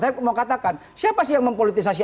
saya mau katakan siapa sih yang mempolitisasi